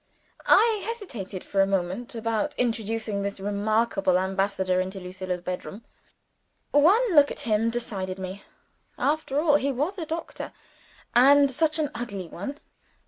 I hesitated for a moment about introducing this remarkable ambassador into Lucilla's bedroom. One look at him decided me. After all, he was a doctor, and such an ugly one!